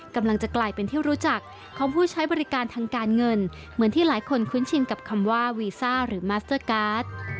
กำลังจะกลายเป็นที่รู้จักของผู้ใช้บริการทางการเงินเหมือนที่หลายคนคุ้นชินกับคำว่าวีซ่าหรือมัสเตอร์การ์ด